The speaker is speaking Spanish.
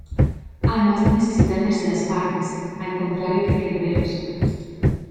Además, no necesita de terceras partes, al contrario que Kerberos.